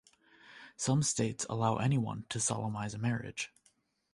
Some states allow anyone to solemnize a marriage.